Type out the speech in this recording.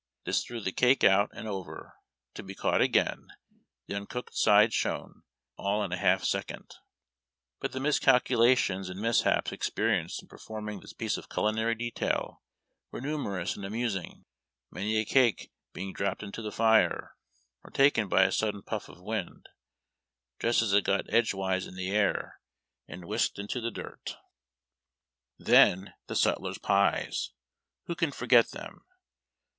This threw the cake out and over, to be cauf^ht again the uncooked side down — all in a half second. But the miscalculations and mishaps experienced in performing this piece of culinary detail were numerous and amusing, many a cake being dropped into the fire, or taken by a sudden puff of wind, just as it got edgewise in the air, and whisked into the dirt. COOKING PANCAKES. SPECIAL RATIONS. 227 Then, the sutler's pies I Who can forget tliem